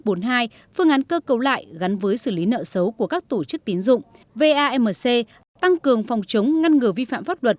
phương án cơ cấu lại gắn với xử lý nợ xấu của các tổ chức tín dụng vamc tăng cường phòng chống ngăn ngừa vi phạm pháp luật